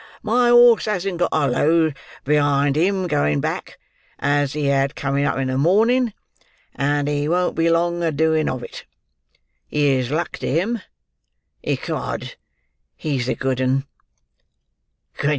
My horse hasn't got a load behind him going back, as he had coming up in the mornin'; and he won't be long a doing of it. Here's luck to him. Ecod! he's a good 'un!"